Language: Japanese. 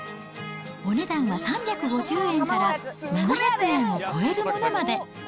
お値段は３５０円から７００円を超えるものまで。